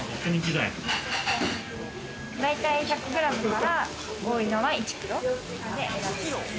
大体１００グラムから多いのは１キロまで選べます。